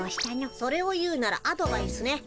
それを言うならアドバイスね。